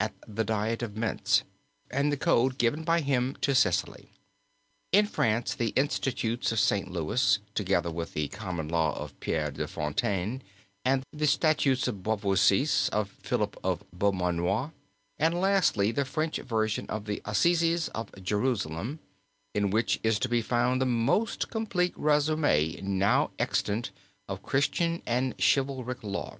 at the diet of Mentz, and the code given by him to Sicily; in France, the Institutes of St. Louis, together with the Common Law of Pierre des Fontaines, and the Statutes of Beauvoisis of Philip of Beaumanoir; and lastly the French version of the Assizes of Jerusalem, in which is to be found the most complete résumé now extant of Christian and chivalric law.